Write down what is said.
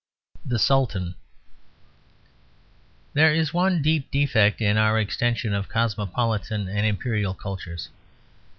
THE SULTAN There is one deep defect in our extension of cosmopolitan and Imperial cultures.